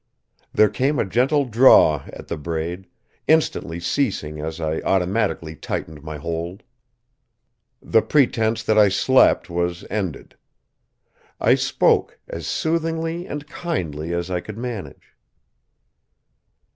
There came a gentle draw at the braid, instantly ceasing as I automatically tightened my hold. The pretense that I slept was ended. I spoke, as soothingly and kindly as I could manage.